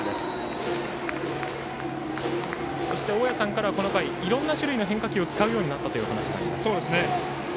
大矢さんからはこの回いろんな種類の変化球を使うようになったというお話がありました。